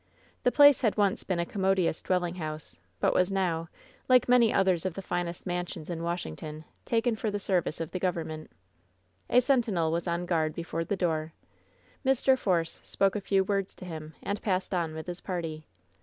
The place had once been a commodious dwelling house, but was now, like many others of the finest man sions in Washington, taken for the service of the gov emment. A sentinel was on guard before the door. Mr. Force spoke a few words to him, and passed on with his party.